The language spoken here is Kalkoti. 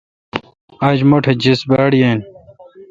آج مٹھ جیس باڑ یین۔